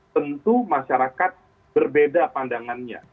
tentu masyarakat berbeda pandangannya